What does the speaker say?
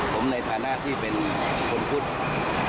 ผมในฐานะที่เป็นคนพุทธ